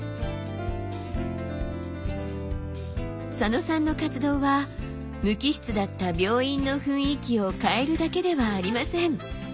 佐野さんの活動は無機質だった病院の雰囲気を変えるだけではありません。